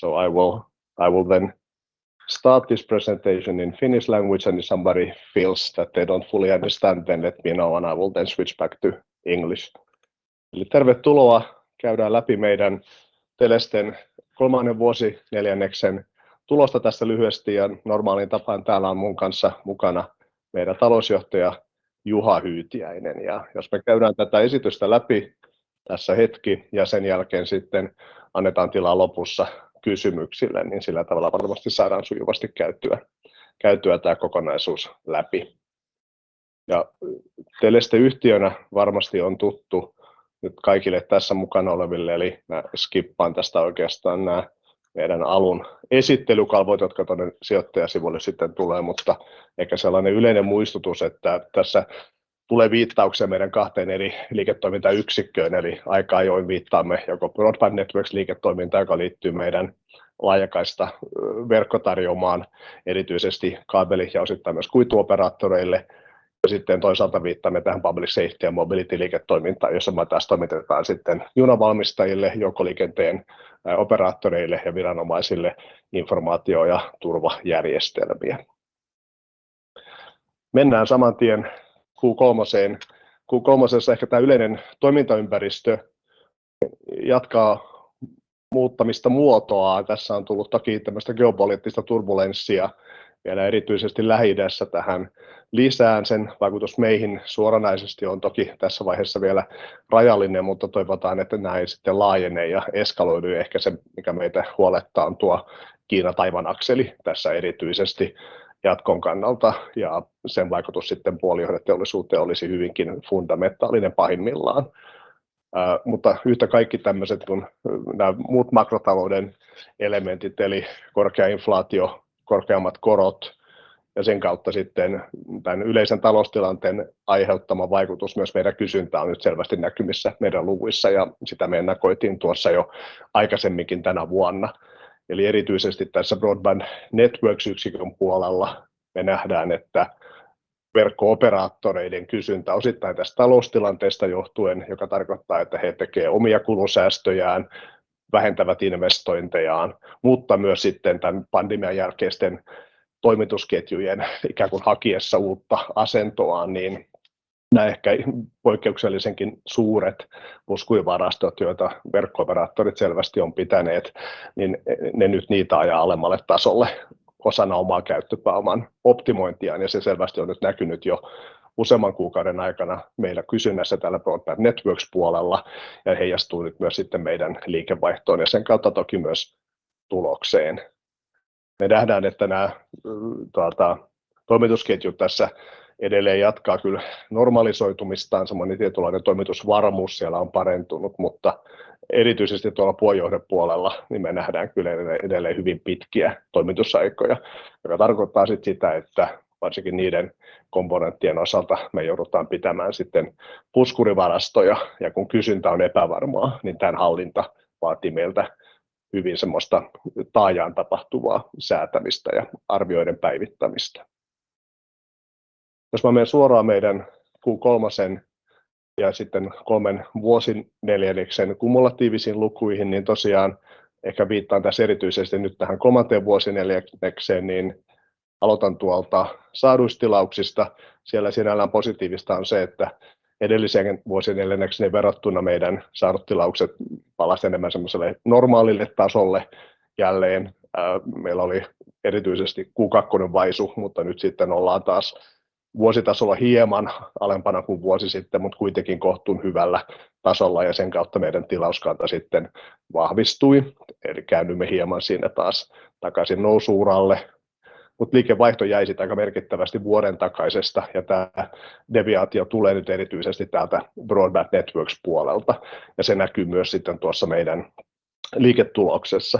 So I will, I will then start this presentation in Finnish language and if somebody feels that they don't fully understand, then let me know and I will then switch back to English. Eli tervetuloa! Käydään läpi meidän Telesten kolmannen vuosineljänneksen tulosta tässä lyhyesti ja normaaliin tapaan täällä on mun kanssa mukana meidän talousjohtaja Juha Hyytiäinen. Jos me käydään tätä esitystä läpi tässä hetki ja sen jälkeen sitten annetaan tilaa lopussa kysymyksille, niin sillä tavalla varmasti saadaan sujuvasti käytyä, käytyä tää kokonaisuus läpi. Teleste yhtiönä varmasti on tuttu nyt kaikille tässä mukana oleville. Eli mä skippaan tästä oikeastaan nää meidän alun esittelykalvot, jotka tuonne sijoittajasivulle sitten tulee. Mutta ehkä sellainen yleinen muistutus, että tässä tulee viittauksia meidän kahteen eri liiketoimintayksikköön, eli aika ajoin viittaamme joko Broadband Networks -liiketoimintaan, joka liittyy meidän laajakaista verkkotarjoumaan, erityisesti kaapeli- ja osittain myös kuituoperaattoreille. Ja sitten toisaalta viittaamme tähän Public Safety ja Mobility -liiketoimintaan, jossa me taas toimitetaan sitten junanvalmistajille, joukkoliikenteen operaattoreille ja viranomaisille informaatio- ja turvajärjestelmiä. Mennään saman tien Q kolmoseen. Q kolmosessa ehkä tää yleinen toimintaympäristö jatkaa muuttamista muotoaan. Tässä on tullut toki tämmöistä geopoliittista turbulenssia vielä erityisesti Lähi-idässä tähän lisään. Sen vaikutus meihin suoranaisesti on toki tässä vaiheessa vielä rajallinen, mutta toivotaan, että nämä ei sitten laajene ja eskaloidu. Ehkä se, mikä meitä huolettaa, on tuo Kiina-Taiwan-akseli tässä erityisesti jatkon kannalta ja sen vaikutus sitten puolijohdeteollisuuteen olisi hyvinkin fundamentaalinen pahimmillaan. Mutta yhtä kaikki, tämmöiset kun nää muut makrotalouden elementit eli korkea inflaatio, korkeammat korot ja sen kautta sitten tän yleisen taloustilanteen aiheuttama vaikutus myös meidän kysyntään on nyt selvästi näkyvissä meidän luvuissa, ja sitä me ennakoitiin tuossa jo aikaisemminkin tänä vuonna. Eli erityisesti tässä Broadband Networks -yksikön puolella me nähdään, että verkko-operaattoreiden kysyntä osittain tästä taloustilanteesta johtuen, joka tarkoittaa, että he tekee omia kulunsäästöjään, vähentävät investointejaan, mutta myös sitten tän pandemian jälkeisten toimitusketjujen ikään kuin hakiessa uutta asentoaan, niin nää ehkä poikkeuksellisenkin suuret puskurivarastot, joita verkko-operaattorit selvästi on pitäneet, niin ne nyt niitä ajaa alemmalle tasolle osana omaa käyttöpääoman optimointia, ja se selvästi on nyt näkynyt jo useamman kuukauden aikana meillä kysynnässä tällä Broadband Networks puolella ja heijastuu nyt myös sitten meidän liikevaihtoon ja sen kautta toki myös tulokseen. Me nähdään, että nää toimitusketjut tässä edelleen jatkaa kyllä normalisoitumistaan. Semmoinen tietynlainen toimitusvarmuus siellä on parantunut, mutta erityisesti tuolla puolijohdepuolella, niin me nähdään kyllä edelleen hyvin pitkiä toimitusaikoja, joka tarkoittaa sitten sitä, että varsinkin niiden komponenttien osalta me joudutaan pitämään sitten puskurivarastoja. Ja kun kysyntä on epävarmaa, niin tämän hallinta vaatii meiltä hyvin semmoista taajaan tapahtuvaa säätämistä ja arvioiden päivittämistä. Jos mä meen suoraan meidän Q3:n ja sitten kolmen vuosineljänneksen kumulatiivisiin lukuihin, niin tosiaan ehkä viittaan tässä erityisesti nyt tähän kolmanteen vuosineljännekseen, niin aloitan tuolta saaduista tilauksista. Siellä sinällään positiivista on se, että edelliseen vuosineljännekseen verrattuna meidän saadut tilaukset palasivat enemmän sellaiselle normaalille tasolle jälleen. Meillä oli erityisesti Q2 vaisu, mutta nyt sitten ollaan taas vuositasolla hieman alempana kuin vuosi sitten, mutta kuitenkin kohtuun hyvällä tasolla ja sen kautta meidän tilauskanta sitten vahvistui. Eli käännyimme hieman siinä taas takaisin nousu-uralle, mutta liikevaihto jäi sitten aika merkittävästi vuoden takaisesta. Ja tää deviaatio tulee nyt erityisesti täältä Broadband Networks -puolelta, ja se näkyy myös sitten tuossa meidän liiketuloksessa.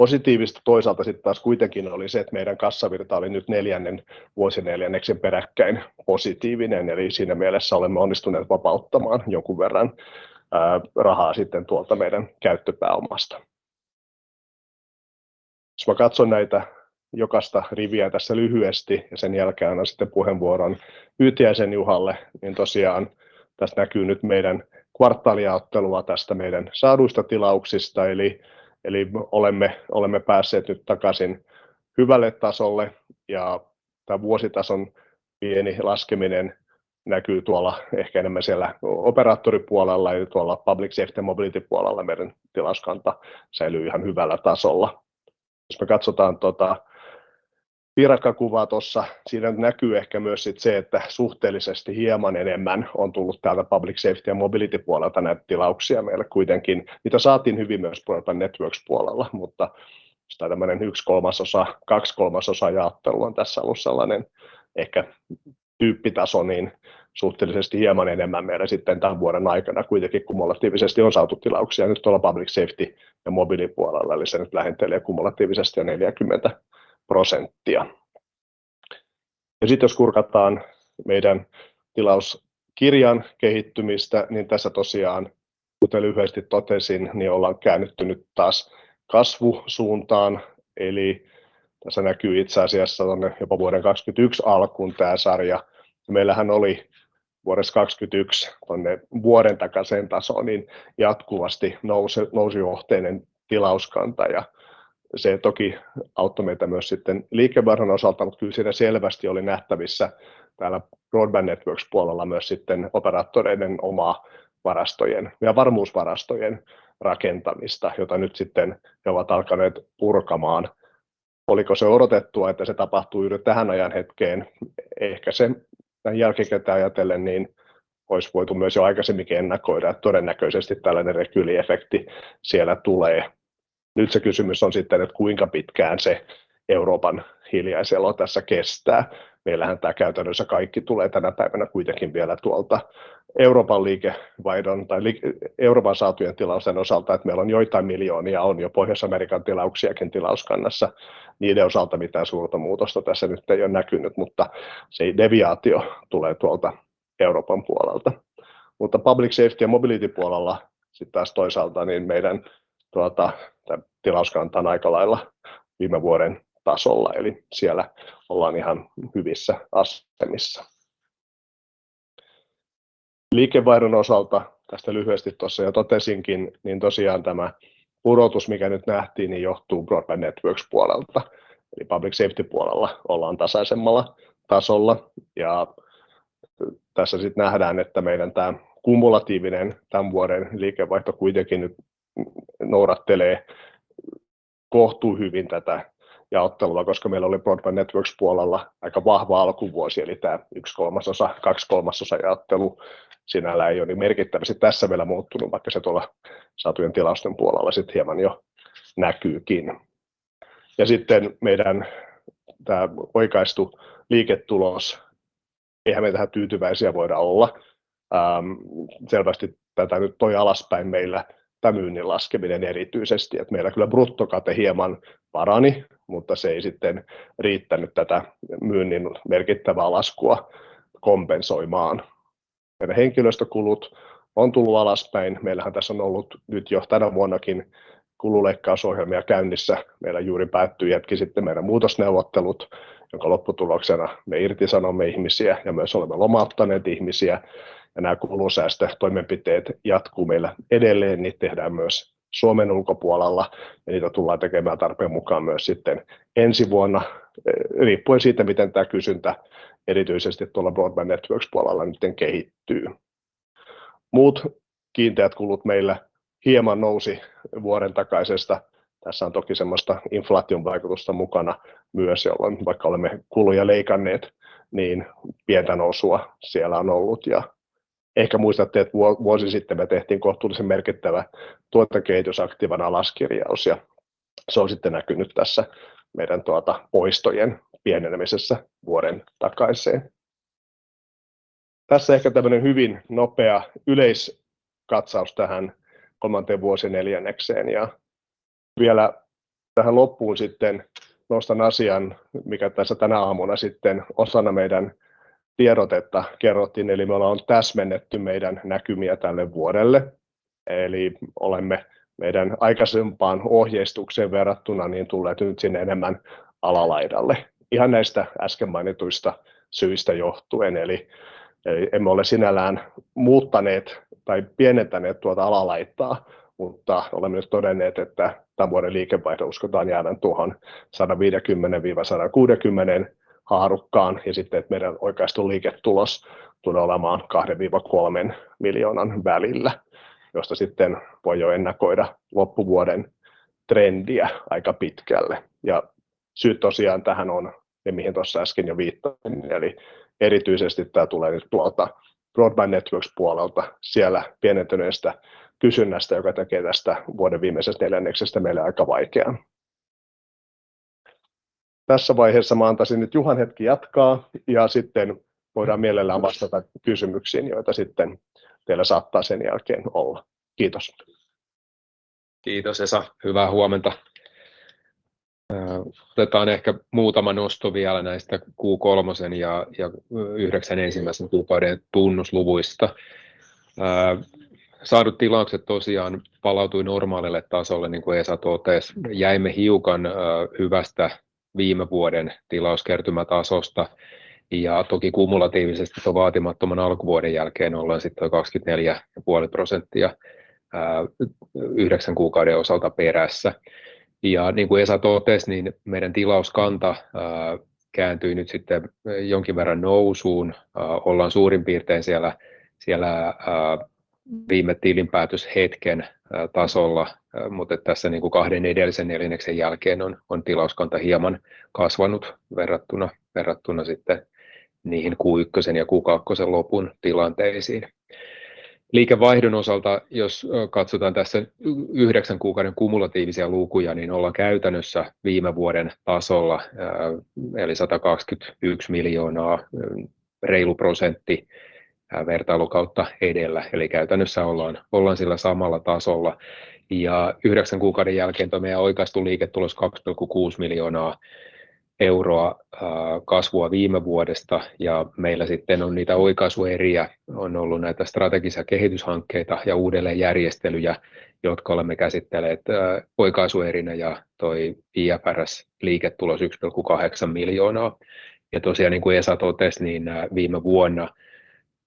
Positiivista toisaalta sitten taas kuitenkin oli se, että meidän kassavirta oli nyt neljännen vuosineljänneksen peräkkäin positiivinen, eli siinä mielessä olemme onnistuneet vapauttamaan jonkun verran rahaa sitten tuolta meidän käyttöpääomasta. Jos mä katson näitä jokaista riviä tässä lyhyesti ja sen jälkeen annan sitten puheenvuoron Hyytiäisen Juhalle, niin tosiaan tässä näkyy nyt meidän kvartaaliottelua tästä meidän saaduista tilauksista. Eli olemme päässeet nyt takaisin hyvälle tasolle ja tämä vuositason pieni laskeminen näkyy tuolla ehkä enemmän siellä operaattoripuolella ja tuolla Public Safety ja Mobility puolella. Meidän tilauskanta säilyy ihan hyvällä tasolla. Jos me katsotaan tuota piirakkakuvaa tuossa, siinä nyt näkyy ehkä myös sitten se, että suhteellisesti hieman enemmän on tullut täältä Public Safety ja Mobility puolelta näitä tilauksia meille kuitenkin. Niitä saatiin hyvin myös Broadband Networks puolella, mutta tämmöinen yksi kolmasosa, kaksi kolmasosaa jaottelu on tässä ollut sellainen ehkä tyyppitaso. Suhteellisesti hieman enemmän meillä sitten tän vuoden aikana kuitenkin kumulatiivisesti on saatu tilauksia nyt tuolla Public Safety ja Mobility puolella, eli se nyt lähentelee kumulatiivisesti jo 40%. Ja sitten jos kurkataan meidän tilauskirjan kehittymistä, niin tässä tosiaan, kuten lyhyesti totesin, niin ollaan käännytty nyt taas kasvusuuntaan. Eli tässä näkyy itse asiassa tuonne jopa vuoden 2022 alkuun tää sarja. Meillähän oli vuodesta 2022 tuonne vuoden takaiseen tasoon, niin jatkuvasti nousu-, nousujohteinen tilauskanta, ja se toki auttoi meitä myös sitten liikevaihdon osalta, mutta kyllä siinä selvästi oli nähtävissä täällä Broadband Networks puolella myös sitten operaattoreiden omaa varastojen ja varmuusvarastojen rakentamista, jota nyt sitten he ovat alkaneet purkamaan. Oliko se odotettua, että se tapahtuu juuri tähän ajanhetkeen? Ehkä se näin jälkikäteen ajatellen, niin olisi voitu myös jo aikaisemminkin ennakoida, että todennäköisesti tällainen rekyliefekti siellä tulee. Nyt se kysymys on sitten, että kuinka pitkään se Euroopan hiljaiselo tässä kestää? Meillähän tää käytännössä kaikki tulee tänä päivänä kuitenkin vielä tuolta Euroopan liikevaihdon tai Euroopan saatujen tilausten osalta, että meillä on joitain miljoonia, on jo Pohjois-Amerikan tilauksiakin tilauskannassa. Niiden osalta mitään suurta muutosta tässä nyt ei ole näkynyt, mutta se deviaatio tulee tuolta Euroopan puolelta. Mutta Public Safety ja Mobility puolella sitten taas toisaalta, niin meidän tilauskanta on aikalailla viime vuoden tasolla, eli siellä ollaan ihan hyvissä asemissa. Liikevaihdon osalta, tästä lyhyesti tuossa jo totesinkin, niin tosiaan tämä pudotus, mikä nyt nähtiin, niin johtuu Broadband Networks puolelta, eli Public Safety puolella ollaan tasaisemmalla tasolla. Ja tässä sitten nähdään, että meidän tämä kumulatiivinen tämän vuoden liikevaihto kuitenkin nyt noudattelee kohtuu hyvin tätä jaottelua, koska meillä oli Broadband Networks puolella aika vahva alkuvuosi. Eli tää yksi kolmasosa, kaksi kolmasosa jaottelu sinällään ei ole niin merkittävästi tässä vielä muuttunut, vaikka se tuolla saatujen tilausten puolella sitten hieman jo näkyykin. Ja sitten meidän tää oikaistu liiketulos. Eihän me tähän tyytyväisiä voida olla. Selvästi tätä nyt toi alaspäin meillä tää myynnin laskeminen erityisesti, että meillä kyllä bruttokate hieman parani, mutta se ei sitten riittänyt tätä myynnin merkittävää laskua kompensoimaan. Meidän henkilöstökulut on tullut alaspäin. Meillähän tässä on ollut nyt jo tänä vuonnakin kululeikkausohjelmia käynnissä. Meillä juuri päättyi hetki sitten meidän muutosneuvottelut, jonka lopputuloksena me irtisanomme ihmisiä ja myös olemme lomauttaneet ihmisiä. Nää kulunsäästötoimenpiteet jatkuu meillä edelleen. Niitä tehdään myös Suomen ulkopuolella ja niitä tullaan tekemään tarpeen mukaan myös sitten ensi vuonna, riippuen siitä, miten tää kysyntä erityisesti tuolla Broadband Networks puolella nyt kehittyy. Muut kiinteät kulut meillä hieman nousi vuoden takaisesta. Tässä on toki sellaista inflaation vaikutusta mukana myös, jolloin vaikka olemme kuluja leikanneet, niin pientä nousua siellä on ollut. Ehkä muistatte, että vuosi sitten me tehtiin kohtuullisen merkittävä tuotantokehitysaktiivan alaskirjaus ja se on sitten näkynyt tässä meidän tuota poistojen pienenemisessä vuoden takaiseen. Tässä ehkä tällainen hyvin nopea yleiskatsaus tähän kolmanteen vuosineljännekseen ja vielä tähän loppuun sitten nostan asian, mikä tässä tänä aamuna sitten osana meidän tiedotetta kerrottiin, eli me ollaan täsmennetty meidän näkymiä tälle vuodelle. Olemme meidän aikaisempaan ohjeistukseen verrattuna tulleet nyt sinne enemmän alalaidalle ihan näistä äsken mainituista syistä johtuen. Emme ole sinällään muuttaneet tai pienentäneet tuota alalaitaa, mutta olemme myös todenneet, että tämän vuoden liikevaihdon uskotaan jäävän tuohon €150-160 miljoonan haarukkaan. Meidän oikaistu liiketulos tulee olemaan €2-3 miljoonan välillä, josta sitten voi jo ennakoida loppuvuoden trendiä aika pitkälle. Syy tosiaan tähän on se, mihin tuossa äsken jo viittasin. Erityisesti tämä tulee nyt tuolta Broadband Networks -puolelta, siellä pienentyneestä kysynnästä, joka tekee tästä vuoden viimeisestä neljänneksestä meille aika vaikean. Tässä vaiheessa antaisin nyt Juhan hetki jatkaa ja sitten voidaan mielellään vastata kysymyksiin, joita sitten teillä saattaa sen jälkeen olla. Kiitos! Kiitos Esa! Hyvää huomenta. Otetaan ehkä muutama nosto vielä näistä Q3:n ja yhdeksän ensimmäisen kuukauden tunnusluvuista. Saadut tilaukset tosiaan palautui normaalille tasolle niin kuin Esa totesi. Jäimme hiukan hyvästä viime vuoden tilauskertymätasosta ja toki kumulatiivisesti tuon vaatimattoman alkuvuoden jälkeen, ollaan sitten toi 24,5%, yhdeksän kuukauden osalta perässä. Ja niin kuin Esa totesi, niin meidän tilauskanta kääntyy nyt sitten jonkin verran nousuun. Ollaan suurin piirtein siellä viime tilinpäätöshetken tasolla, mutta tässä kahden edellisen neljänneksen jälkeen on tilauskanta hieman kasvanut verrattuna sitten niihin Q1:n ja Q2:n lopun tilanteisiin. Liikevaihdon osalta, jos katsotaan tässä yhdeksän kuukauden kumulatiivisia lukuja, niin ollaan käytännössä viime vuoden tasolla. Eli €122 miljoonaa, reilu prosentti vertailukautta edellä. Eli käytännössä ollaan sillä samalla tasolla ja yhdeksän kuukauden jälkeen tuo meidän oikaistu liiketulos €2,6 miljoonaa. kasvua viime vuodesta, ja meillä sitten on niitä oikaisueriä. On ollut näitä strategisia kehityshankkeita ja uudelleenjärjestelyjä, jotka olemme käsitelleet oikaisuerinä, ja toi IFRS-liiketulos 1,8 miljoonaa. Tosiaan niin kuin Esa totesi, niin viime vuonna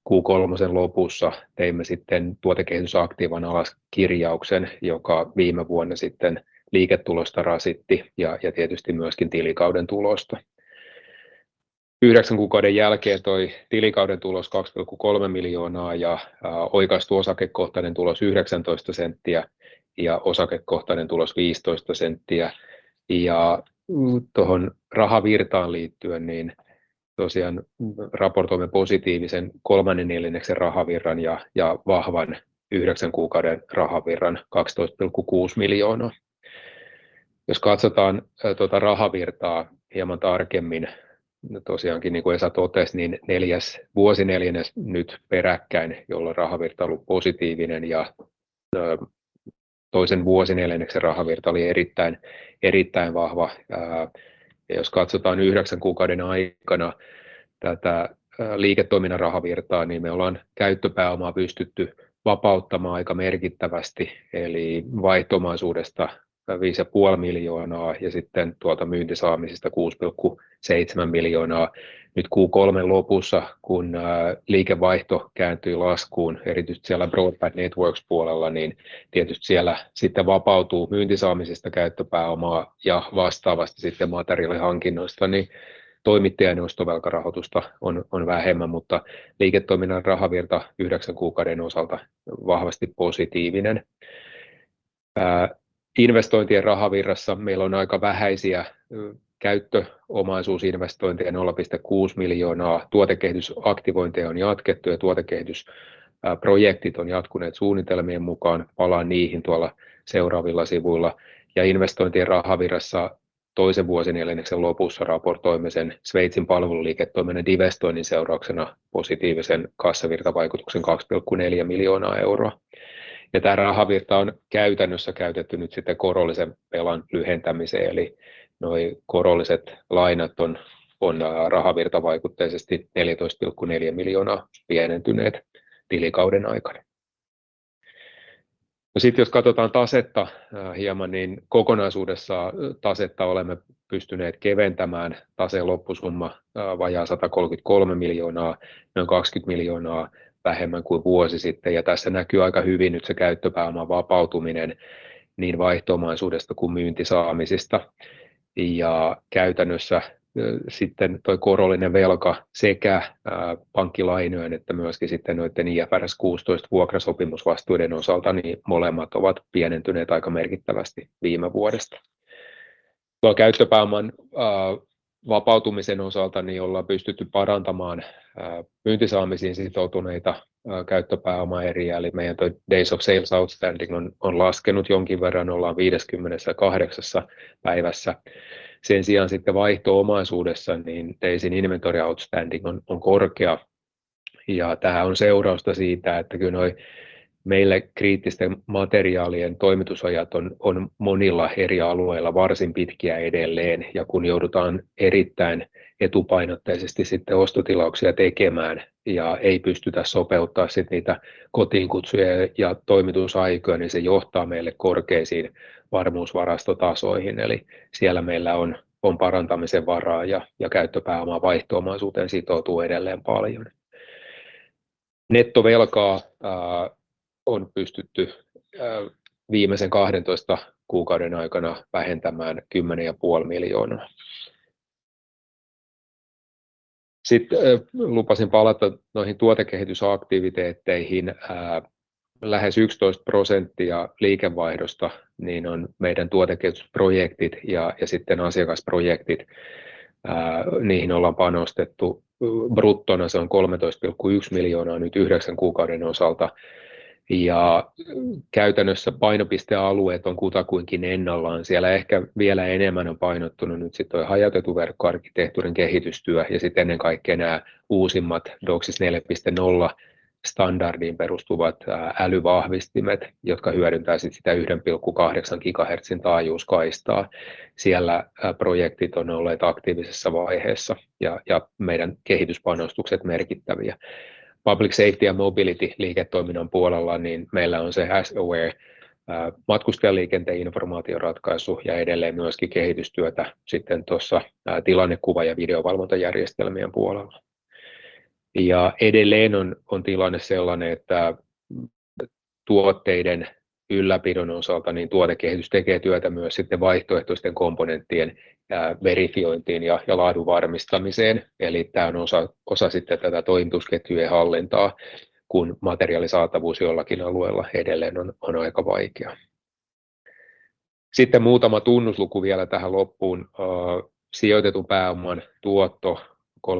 Q3:n lopussa teimme sitten tuotekehitysaktiivan alaskirjauksen, joka viime vuonna sitten liiketulosta rasitti ja tietysti myöskin tilikauden tulosta. Yhdeksän kuukauden jälkeen toi tilikauden tulos 2,3 miljoonaa ja oikaistu osakekohtainen tulos 19 senttiä ja osakekohtainen tulos 15 senttiä. Tuohon rahavirtaan liittyen, niin tosiaan raportoimme positiivisen kolmannen neljänneksen rahavirran ja vahvan yhdeksän kuukauden rahavirran 12,6 miljoonaa. Jos katsotaan tuota rahavirtaa hieman tarkemmin, niin tosiaankin, niin kuin Esa totesi, niin neljäs vuosineljännes nyt peräkkäin, jolloin rahavirta on ollut positiivinen ja toisen vuosineljänneksen rahavirta oli erittäin vahva. Jos katsotaan yhdeksän kuukauden aikana tätä liiketoiminnan rahavirtaa, niin me ollaan käyttöpääomaa pystytty vapauttamaan aika merkittävästi, eli vaihto-omaisuudesta 5,5 miljoonaa ja sitten myyntisaamisista 6,7 miljoonaa. Nyt Q3:n lopussa, kun liikevaihto kääntyi laskuun erityisesti siellä Broadband Networks -puolella, niin tietysti siellä sitten vapautuu myyntisaamisista käyttöpääomaa ja vastaavasti sitten materiaalihankinnoista, niin toimittajien ostovelkarahoitusta on vähemmän, mutta liiketoiminnan rahavirta yhdeksän kuukauden osalta vahvasti positiivinen. Investointien rahavirrassa meillä on aika vähäisiä käyttöomaisuusinvestointeja €0,6 miljoonaa. Tuotekehitysaktivointeja on jatkettu ja tuotekehitysprojektit on jatkuneet suunnitelmien mukaan. Palaan niihin tuolla seuraavilla sivuilla. Investointien rahavirrassa toisen vuosineljänneksen lopussa raportoimme sen Sveitsin palveluliiketoiminnan divestoinnin seurauksena positiivisen kassavirtavaikutuksen €2,4 miljoonaa. Tää rahavirta on käytännössä käytetty nyt sitten korollisen velan lyhentämiseen. Eli noi korolliset lainat on rahavirtavaikutteisesti €14,4 miljoonaa pienentyneet tilikauden aikana. Jos katotaan tasetta hieman, niin kokonaisuudessaan tasetta olemme pystyneet keventämään. Taseen loppusumma vajaa 133 miljoonaa, noin 200 miljoonaa vähemmän kuin vuosi sitten. Tässä näkyy aika hyvin nyt se käyttöpääoman vapautuminen niin vaihto-omaisuudesta kuin myyntisaamisista. Käytännössä sitten tuo korollinen velka sekä pankkilainojen että myöskin sitten noiden IFRS16 vuokrasopimusvastuiden osalta, niin molemmat ovat pienentyneet aika merkittävästi viime vuodesta. Tuon käyttöpääoman vapautumisen osalta, niin ollaan pystytty parantamaan myyntisaamisiin sitoutuneita käyttöpääomaeriä, eli meidän tuo days of sales outstanding on laskenut jonkin verran. Ollaan 58 päivässä. Sen sijaan sitten vaihto-omaisuudessa, niin days inventory outstanding on korkea, ja tää on seurausta siitä, että kyllä noi meille kriittisten materiaalien toimitusajat on monilla eri alueilla varsin pitkiä edelleen. Kun joudutaan erittäin etupainotteisesti sitten ostotilauksia tekemään ja ei pystytä sopeuttaa sit niitä kotiinkutsuja ja toimitusaikoja, niin se johtaa meille korkeisiin varmuusvarastotasoihin. Eli siellä meillä on parantamisen varaa ja käyttöpääoma vaihto-omaisuuteen sitoutuu edelleen paljon. Nettovelkaa on pystytty viimeisen kahdentoista kuukauden aikana vähentämään 10,5 miljoonaa. Sitten lupasin palata noihin tuotekehitysaktiviteetteihin. Lähes 11% liikevaihdosta on meidän tuotekehitysprojektit ja asiakasprojektit. Niihin ollaan panostettu. Bruttona se on €13,1 miljoonaa nyt yhdeksän kuukauden osalta, ja käytännössä painopistealueet on kutakuinkin ennallaan. Siellä ehkä vielä enemmän on painottunut nyt toi hajautetun verkkoarkkitehtuurin kehitystyö ja sitten ennen kaikkea nää uusimmat DOCSIS 4.0 -standardiin perustuvat älyvahvistimet, jotka hyödyntää sitä 1,8 gigahertsin taajuuskaistaa. Siellä projektit on olleet aktiivisessa vaiheessa ja meidän kehityspanostukset merkittäviä. Public safety ja mobility -liiketoiminnan puolella meillä on se as aware -matkustajaliikenteen informaatioratkaisu ja edelleen myöskin kehitystyötä sitten tuossa tilannekuva- ja videovalvontajärjestelmien puolella. Edelleen on tilanne sellainen, että... Tuotteiden ylläpidon osalta tuotekehitys tekee työtä myös sitten vaihtoehtoisten komponenttien verifiointiin ja laadun varmistamiseen. Tää on osa sitten tätä toimitusketjujen hallintaa, kun materiaalisaatavuus jollakin alueella edelleen on aika vaikea. Sitten muutama tunnusluku vielä tähän loppuun. Sijoitetun pääoman tuotto 3,6%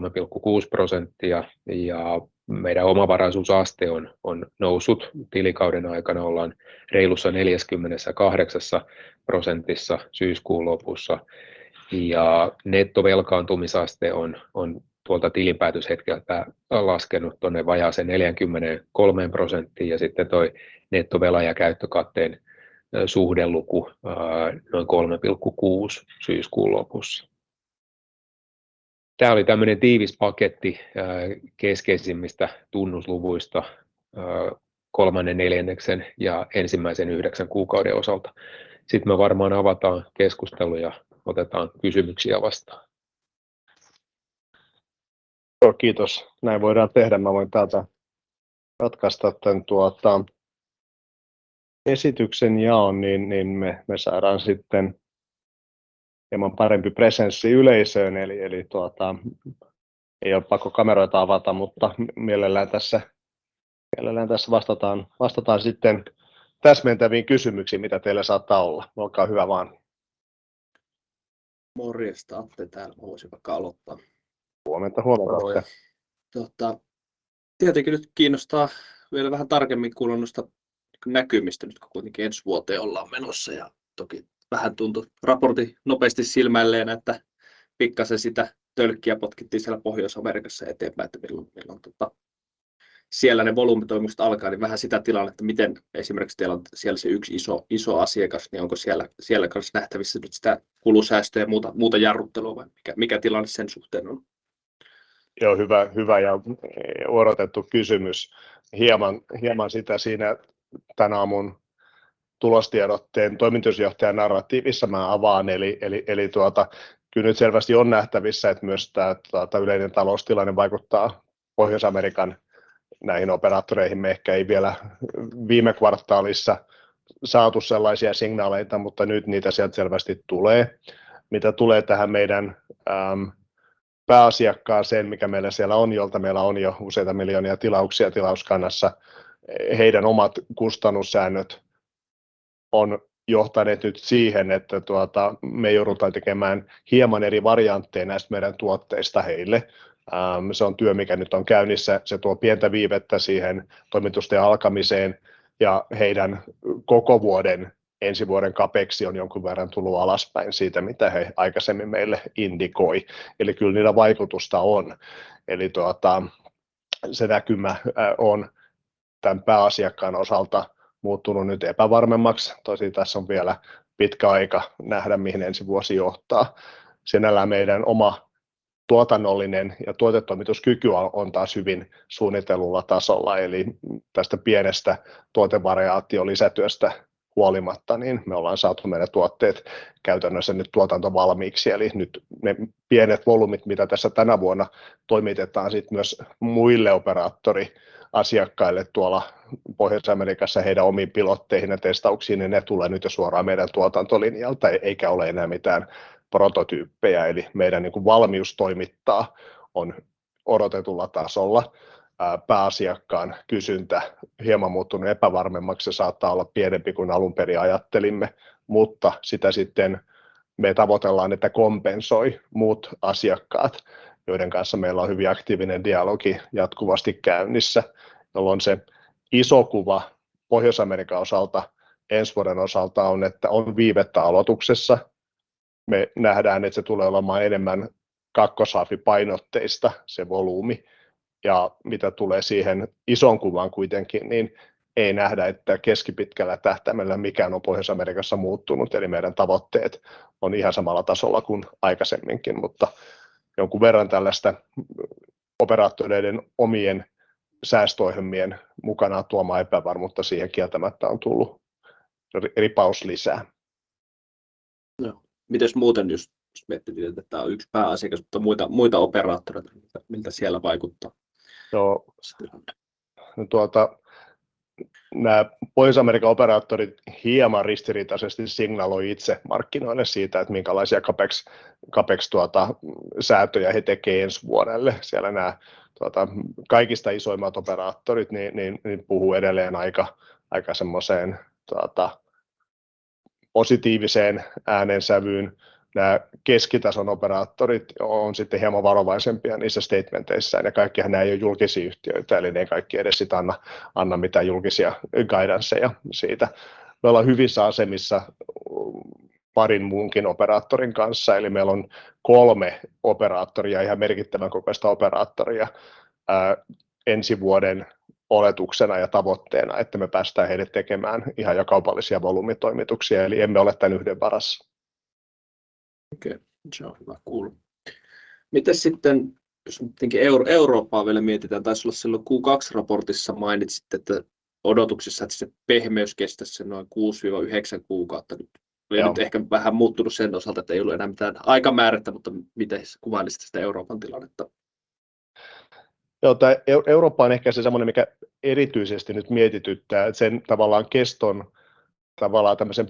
ja meidän omavaraisuusaste on noussut tilikauden aikana. Ollaan reilussa 48%:ssa syyskuun lopussa, ja nettovelkaantumisaste on tilinpäätöshetkeltä laskenut tuonne vajaaseen 43%:iin. Ja sitten toi nettovelan ja käyttökatteen suhdeluku noin 3,6 syyskuun lopussa. Tää oli tämmönen tiivis paketti keskeisimmistä tunnusluvuista kolmannen neljänneksen ja ensimmäisen yhdeksän kuukauden osalta. Sit me varmaan avataan keskustelu ja otetaan kysymyksiä vastaan. Joo, kiitos! Näin voidaan tehdä. Mä voin täältä katkaista tän esityksen jaon, niin me saadaan sitten hieman parempi presenssi yleisöön. Eli ei ole pakko kameroita avata, mutta mielellään tässä vastataan sitten täsmentäviin kysymyksiin, mitä teillä saattaa olla. Olkaa hyvä vaan! Morjesta, Atte täällä. Mä voisin vaikka aloittaa. Huomenta, huomenta! Totta, tietenkin nyt kiinnostaa vielä vähän tarkemmin kuulla noista näkymistä, nyt kun kuitenkin ensi vuoteen ollaan menossa ja toki vähän tuntui raportin nopeasti silmäillen, että pikkaisen sitä tölkkiä potkittiin siellä Pohjois-Amerikassa eteenpäin, että milloin siellä ne volyymitoimitukset alkaa, niin vähän sitä tilannetta. Miten esimerkiksi teillä on siellä se yksi iso asiakas, niin onko siellä kanssa nähtävissä nyt sitä kulusäästöjä ja muuta jarruttelua vai mikä tilanne sen suhteen on? Joo, hyvä, hyvä ja odotettu kysymys. Hieman sitä siinä tän aamun tiedotteen toimitusjohtajan narratiivissa mä avaan. Eli kyllä nyt selvästi on nähtävissä, että myös tää yleinen taloustilanne vaikuttaa Pohjois-Amerikan näihin operaattoreihin. Me ehkä ei vielä viime kvartaalissa saatu sellaisia signaaleja, mutta nyt niitä sieltä selvästi tulee. Mitä tulee tähän meidän pääasiakkaaseen, mikä meillä siellä on, jolta meillä on jo useita miljoonia tilauksia tilauskannassa. Heidän omat kustannussäädöt on johtaneet nyt siihen, että me joudutaan tekemään hieman eri variantteja näistä meidän tuotteista heille. Se on työ, mikä nyt on käynnissä. Se tuo pientä viivettä siihen toimitusten alkamiseen, ja heidän koko vuoden ensi vuoden Capex on jonkun verran tullut alaspäin siitä, mitä he aikaisemmin meille indikoi. Eli kyllä niillä vaikutusta on. Se näkymä on tän pääasiakkaan osalta muuttunut nyt epävarmemmaksi. Tosin tässä on vielä pitkä aika nähdä, mihin ensi vuosi johtaa. Sinällään meidän oma tuotannollinen ja tuotetoimituskyky on taas hyvin suunnitellulla tasolla, eli tästä pienestä tuotevariaatiolisätyöstä huolimatta, niin me ollaan saatu meidän tuotteet käytännössä nyt tuotantovalmiiksi. Eli nyt ne pienet volyymit, mitä tässä tänä vuonna toimitetaan sitten myös muille operaattoriasiakkaille tuolla Pohjois-Amerikassa, heidän omiin pilotteihin ja testauksiin, niin ne tulee nyt jo suoraan meidän tuotantolinjalta, eikä ole enää mitään prototyyppejä. Eli meidän valmius toimittaa on odotetulla tasolla. Pääasiakkaan kysyntä hieman muuttunut epävarmemmaksi ja saattaa olla pienempi kuin alunperin ajattelimme, mutta sitä sitten me tavoitellaan, että kompensoi muut asiakkaat, joiden kanssa meillä on hyvin aktiivinen dialogi jatkuvasti käynnissä, jolloin se iso kuva Pohjois-Amerikan osalta ensi vuoden osalta on, että on viivettä aloituksessa. Me nähdään, että se tulee olemaan enemmän kakkosrappipainotteista se volyymi. Ja mitä tulee siihen isoon kuvaan kuitenkin, niin ei nähdä, että keskipitkällä tähtäimellä mikään on Pohjois-Amerikassa muuttunut. Eli meidän tavoitteet on ihan samalla tasolla kuin aikaisemminkin, mutta jonkun verran tällaista operaattoreiden omien säästöohjelmien mukanaan tuomaa epävarmuutta siihen kieltämättä on tullut ripaus lisää. Joo, mites muuten, jos miettii niin, että tää on yksi pääasiakas, mutta muita operaattoreita, miltä siellä vaikuttaa? Joo, no tuota, nää Pohjois-Amerikan operaattorit hieman ristiriitaisesti signaloi itse markkinoille siitä, että minkälaisia Capex-säätöjä he tekee ensi vuodelle. Siellä nää kaikista isoimmat operaattorit puhuu edelleen aika positiiviseen äänensävyyn. Nää keskitason operaattorit on sitten hieman varovaisempia niissä statementeissaan, ja kaikkihan nää ei oo julkisia yhtiöitä, eli ne ei kaikki edes sitten anna mitään julkisia guidanceja siitä. Me ollaan hyvissä asemissa parin muunkin operaattorin kanssa, eli meillä on kolme operaattoria, ihan merkittävän kokoista operaattoria ensi vuoden oletuksena ja tavoitteena, että me päästään heille tekemään ihan jo kaupallisia volyymitoimituksia. Eli emme ole tän yhden varassa. Okei, se on hyvä kuulla. Mites sitten, jos jotenkin Eurooppaa vielä mietitään? Taisi olla silloin Q2-raportissa mainitsitte, että odotuksissa, että se pehmeys kestäisi noin kuusi-yhdeksän kuukautta. Nyt on ehkä vähän muuttunut sen osalta, että ei ole enää mitään aikamäärettä, mutta miten kuvailisit sitä Euroopan tilannetta? Joo, tää EU-Eurooppa on ehkä se semmoinen, mikä erityisesti nyt mietityttää. Sen tavallaan keston, tavallaan tämmöisen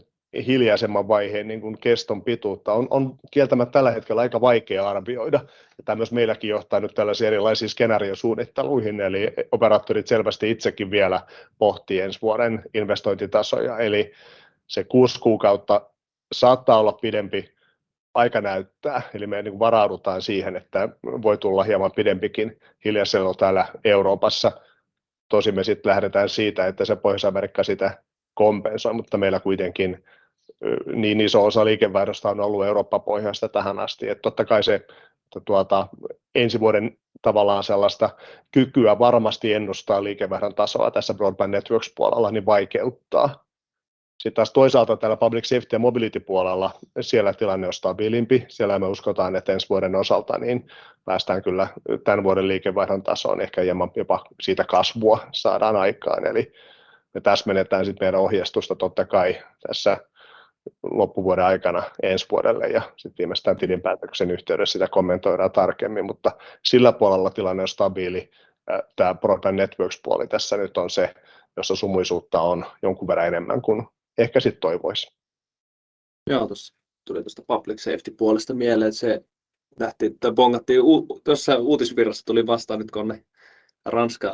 hiljaisemman vaiheen keston pituutta on kieltämättä tällä hetkellä aika vaikea arvioida, ja tää myös meilläkin johtaa nyt tällaisiin erilaisiin skenaariosuunnitteluihin. Operaattorit selvästi itsekin vielä pohtii ensi vuoden investointitasoja. Se kuusi kuukautta saattaa olla pidempi. Aika näyttää. Me varaudutaan siihen, että voi tulla hieman pidempikin hiljaiselo täällä Euroopassa. Tosin me sitten lähdetään siitä, että se Pohjois-Amerikka sitä kompensoi, mutta meillä kuitenkin niin iso osa liikevaihdosta on ollut Eurooppa-pohjaista tähän asti, että totta kai se ensi vuoden tavallaan sellaista kykyä varmasti ennustaa liikevaihdon tasoa tässä Broadband Networks -puolella vaikeuttaa. Sitten taas toisaalta täällä Public Safety ja Mobility puolella, siellä tilanne on stabiilimpi. Siellä me uskotaan, että ensi vuoden osalta päästään kyllä tän vuoden liikevaihdon tasoon, ehkä hieman jopa siitä kasvua saadaan aikaan. Eli me täsmennetään sitten meidän ohjeistusta totta kai tässä loppuvuoden aikana ensi vuodelle ja sitten ilmeisesti tilinpäätöksen yhteydessä sitä kommentoidaan tarkemmin, mutta sillä puolella tilanne on stabiili. Tämä Product Networks -puoli tässä nyt on se, jossa sumuisuutta on jonkun verran enemmän kuin ehkä sitten toivoisi. Joo, tossa tuli tuosta Public Safety -puolesta mieleen. Se nähtiin tai bongattiin jossain uutisvirrassa tuli vastaan, nyt kun on ne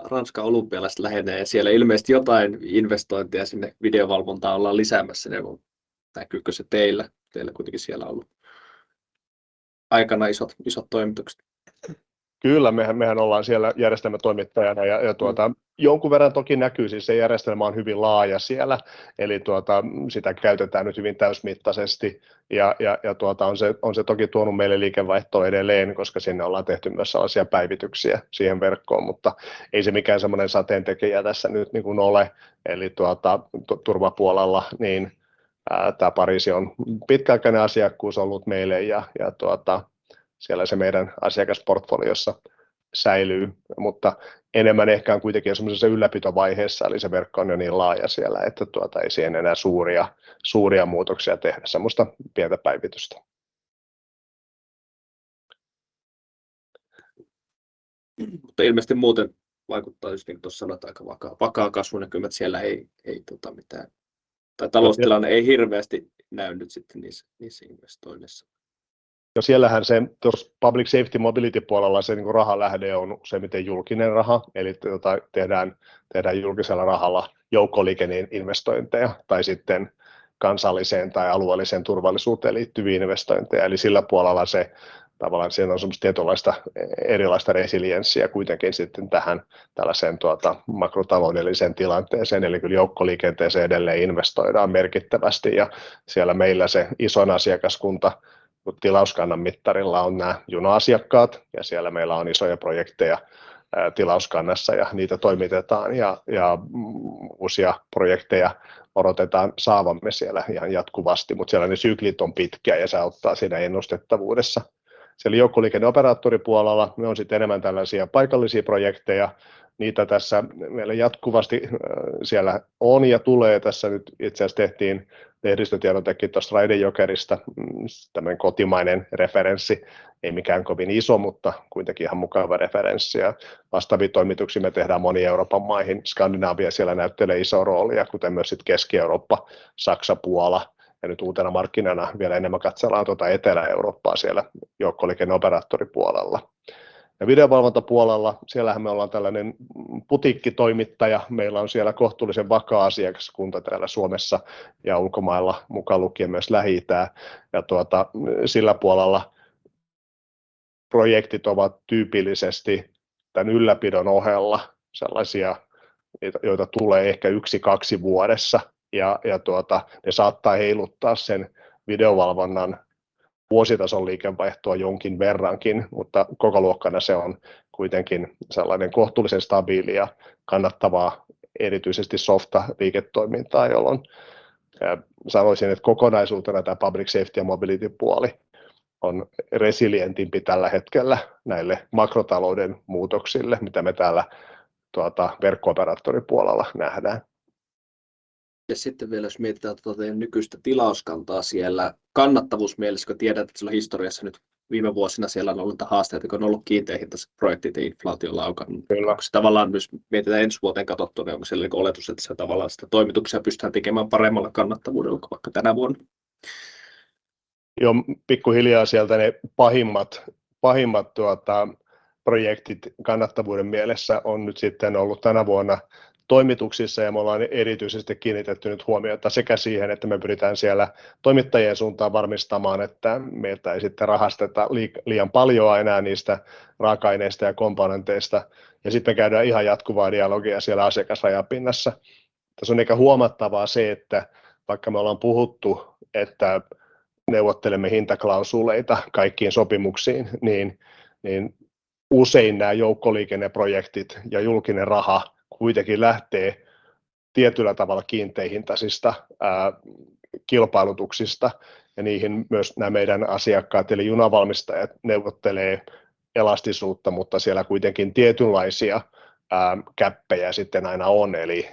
Ranskan olympialaiset lähenee ja siellä ilmeisesti jotain investointia sinne videovalvontaan ollaan lisäämässä, niin näkyykö se teillä? Teillä kuitenkin siellä on ollut aikanaan isot toimitukset. Kyllä, mehän ollaan siellä järjestelmätoimittajana ja jonkun verran toki näkyy. Siis se järjestelmä on hyvin laaja siellä, eli sitä käytetään nyt hyvin täysimittaisesti. Ja on se toki tuonut meille liikevaihtoa edelleen, koska sinne ollaan tehty myös sellaisia päivityksiä siihen verkkoon, mutta ei se mikään sellainen sateen tekijä tässä nyt niin kuin ole. Eli turvapuolella, niin tämä Pariisi on pitkäaikainen asiakkuus ollut meille ja siellä se meidän asiakasportfoliossa säilyy, mutta enemmän ehkä on kuitenkin semmoisessa ylläpitovaiheessa. Eli se verkko on jo niin laaja siellä, että ei siihen enää suuria muutoksia tehdä. Semmoista pientä päivitystä. Mutta ilmeisesti muuten vaikuttaa juuri niin kuin tuossa sanot, aika vakaa, vakaat kasvunäkymät siellä ei, ei mitään... tai taloustilanne ei hirveästi näy nyt sitten niissä investoinneissa. No, siellähän se tuossa Public Safety Mobility puolella se niinku rahan lähde on useimmiten julkinen raha. Eli tehdään julkisella rahalla joukkoliikenteen investointeja tai sitten kansalliseen tai alueelliseen turvallisuuteen liittyviä investointeja. Siellä puolella se tavallaan siinä on semmoista tietynlaista erilaista resilienssiä kuitenkin sitten tähän makrotaloudelliseen tilanteeseen. Kyllä joukkoliikenteeseen edelleen investoidaan merkittävästi ja siellä meillä se isoin asiakaskunta tilauskannan mittarilla on nää junaasiakkaat, ja siellä meillä on isoja projekteja tilauskannassa ja niitä toimitetaan, ja uusia projekteja odotetaan saavan siellä jatkuvasti, mutta siellä ne syklit on pitkiä ja se auttaa siinä ennustettavuudessa. Siellä joukkoliikenneoperaattoripuolella ne on sitten enemmän tällaisia paikallisia projekteja. Niitä tässä meillä jatkuvasti siellä on ja tulee. Tässä nyt itse asiassa tehtiin lehdistötiedotekin tuosta Raide-Jokerista. Tämmöinen kotimainen referenssi. Ei mikään kovin iso, mutta kuitenkin ihan mukava referenssi ja vastaavia toimituksia me tehdään moniin Euroopan maihin. Skandinavia siellä näyttelee isoa roolia, kuten myös sitten Keski-Eurooppa, Saksa, Puola ja nyt uutena markkinana vielä enemmän katsellaan Etelä-Eurooppaa siellä joukkoliikenneoperaattoripuolella. Videovalvontapuolella siellähän me ollaan tällainen putiikkitoimittaja. Meillä on siellä kohtuullisen vakaa asiakaskunta täällä Suomessa ja ulkomailla, mukaan lukien myös Lähi-itä, ja sillä puolella projektit ovat tyypillisesti tän ylläpidon ohella sellaisia, joita tulee ehkä yksi kaksi vuodessa. Ne saattaa heiluttaa sen videovalvonnan vuositason liikevaihtoa jonkin verrankin, mutta kokoluokkana se on kuitenkin sellainen kohtuullisen stabiilia, kannattavaa, erityisesti softaliiketoimintaa, jolloin sanoisin, että kokonaisuutena tämä Public Safety ja Mobility puoli on resilientimpi tällä hetkellä näille makrotalouden muutoksille, mitä me täällä verkko-operaattoripuolella nähdään. Ja sitten vielä, jos mietitään tuota teidän nykyistä tilauskantaa siellä kannattavuusmielessä, kun tiedetään, että siellä historiassa nyt viime vuosina siellä on ollut niitä haasteita, kun on ollut kiinteähintaiset projektit ja inflaatio on laukannut. Onko se tavallaan myös, mietitään ensi vuoteen katsottuna, onko siellä oletus, että siellä tavallaan sitä toimituksia pystytään tekemään paremmalla kannattavuudella kuin vaikka tänä vuonna? Joo, pikkuhiljaa sieltä ne pahimmat projektit kannattavuuden mielessä on nyt sitten ollut tänä vuonna toimituksissa, ja me ollaan erityisesti kiinnitetty nyt huomiota sekä siihen, että me pyritään siellä toimittajien suuntaan varmistamaan, että meiltä ei sitten rahasteta liian paljoa enää niistä raaka-aineista ja komponenteista. Ja sitten me käydään ihan jatkuvaa dialogia siellä asiakasrajapinnassa. Tässä on ehkä huomattavaa se, että vaikka me ollaan puhuttu, että neuvottelemme hintaklausuuleita kaikkiin sopimuksiin, niin usein nää joukkoliikenneprojektit ja julkinen raha kuitenkin lähtee tietyllä tavalla kiinteähintaisista kilpailutuksista, ja niihin myös nää meidän asiakkaat eli junanvalmistajat neuvottelee elastisuutta, mutta siellä kuitenkin tietynlaisia käppejä sitten aina on. Eli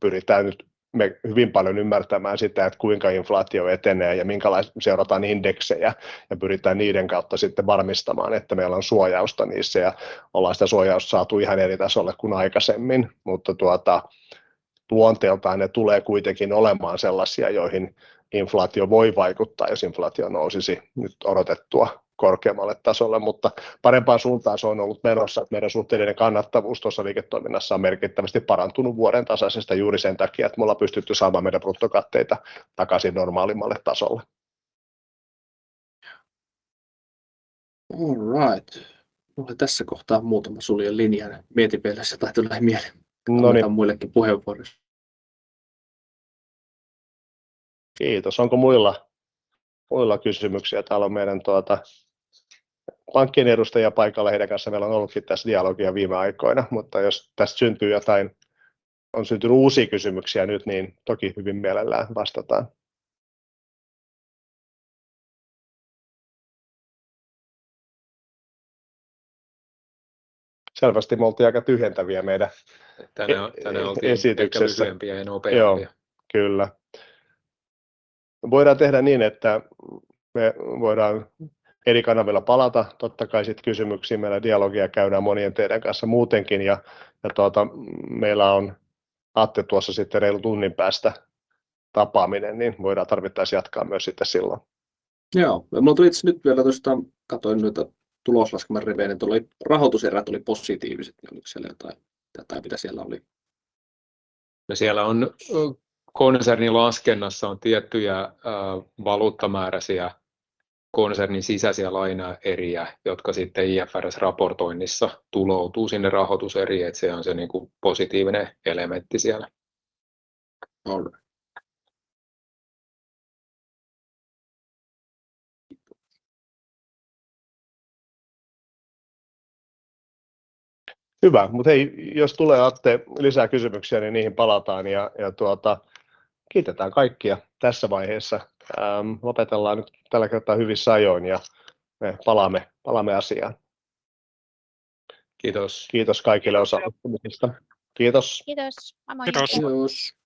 pyritään nyt me hyvin paljon ymmärtämään sitä, että kuinka inflaatio etenee ja minkälaisia... seurataan indeksejä ja pyritään niiden kautta sitten varmistamaan, että meillä on suojausta niissä. Ja ollaan sitä suojausta saatu ihan eri tasolle kuin aikaisemmin. Mutta tuota luonteeltaan ne tulee kuitenkin olemaan sellaisia, joihin inflaatio voi vaikuttaa, jos inflaatio nousisi nyt odotettua korkeammalle tasolle. Mutta parempaan suuntaan se on ollut menossa, että meidän suhteellinen kannattavuus tuossa liiketoiminnassa on merkittävästi parantunut vuoden tasaisesta juuri sen takia, että me ollaan pystytty saamaan meidän bruttokatteita takaisin normaalimmalle tasolle. Hyvä on! Minulla oli tässä kohtaa muutama sulkeutuvan linjan miettimistä vielä, ja taisi tulla mieleen. Annetaan muillekin puheenvuoro. Kiitos. Onko muilla kysymyksiä? Täällä on meidän pankkien edustajia paikalla. Heidän kanssa meillä on ollutkin tässä dialogia viime aikoina, mutta jos tästä syntyy jotain, on syntynyt uusia kysymyksiä nyt, niin toki hyvin mielellään vastataan. Selvästi me oltiin aika tyhjentäviä meidän- Tänään oltiin ehkä lyhyempiä ja nopeampia. Kyllä. Voidaan tehdä niin, että me voidaan eri kanavilla palata totta kai sitten kysymyksiin. Meillä dialogia käydään monien teidän kanssa muutenkin, ja tuota, meillä on Atte tuossa sitten reilun tunnin päästä tapaaminen, niin voidaan tarvittaessa jatkaa myös sitten silloin. Joo, mulla tuli itse asiassa nyt vielä tuosta, katsoin noita tuloslaskelman rivejä, niin tuolla oli rahoituserät oli positiiviset, niin oliko siellä jotain, mitä siellä oli? No, siellä on konsernin laskennassa tiettyjä valuuttamääräisiä konsernin sisäisiä lainaeriä, jotka sitten IFRS-raportoinnissa tuloutuu sinne rahoituseriin, että se on se positiivinen elementti siellä. All right. Hyvä, mutta hei, jos tulee Attelta lisää kysymyksiä, niin niihin palataan ja kiitetään kaikkia. Tässä vaiheessa lopetellaan nyt tällä kertaa hyvissä ajoin ja me palaamme asiaan. Kiitos. Kiitos kaikille osallistumisesta. Kiitos! Kiitos, moi moi. Kiitos.